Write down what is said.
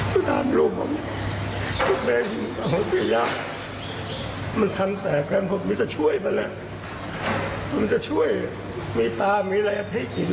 ผู้กับคนก็ไม่อยากแต่ลูกกับเจ้าก็เหมาะเลยยังไม่เคยไม่มีอะไรเหนียวผมจะอาจารย์เลย